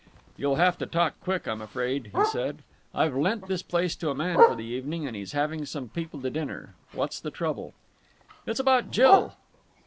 "You'll have to talk quick, I'm afraid," he said. "I've lent this place to a man for the evening, and he's having some people to dinner. What's the trouble?" "It's about Jill."